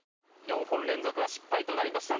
４本連続は失敗となりました。